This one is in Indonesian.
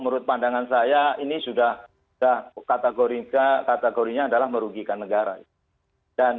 menurut pandangan saya kategorinya adalah merugikan negara